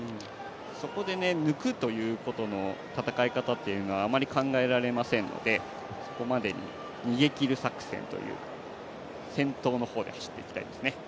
そこで抜くということの戦い方っていうのはあまり考えられませんのでそこまでに逃げきる作戦という先頭の方で走っていきたいですね。